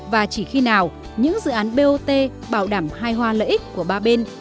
và chỉ khi nào những dự án bot bảo đảm hai hoa lợi ích của ba bên